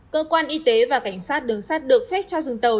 cơ quan y tế và cảnh sát đường sắt được phép cho dừng tàu